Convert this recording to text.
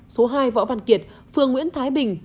số hai võ văn kiệt phường nguyễn thái bình